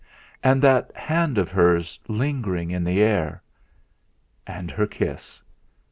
And that hand of hers lingering in the air. And her kiss.